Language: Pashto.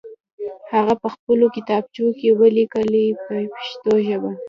هغه په خپلو کتابچو کې ولیکئ په پښتو ژبه.